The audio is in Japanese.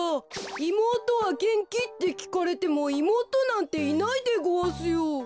いもうとはげんき？」ってきかれてもいもうとなんていないでごわすよ。